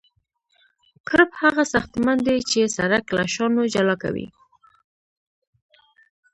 کرب هغه ساختمان دی چې سرک له شانو جلا کوي